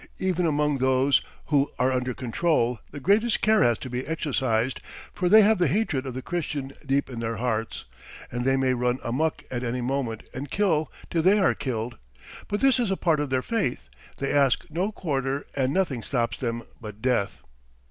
Even among those who are under control, the greatest care has to be exercised, for they have the hatred of the Christian deep in their hearts, and they may run amuck at any moment and kill till they are killed; but this is a part of their faith, they ask no quarter, and nothing stops them but death.